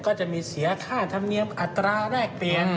ก็จะมีเสียค่าธรรมเนียมอัตราแรกเปลี่ยน